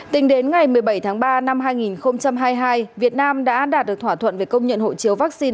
tính đến ngày một mươi bảy tháng ba năm hai nghìn hai mươi hai việt nam đã đạt được thỏa thuận về công nhận hộ chiếu vaccine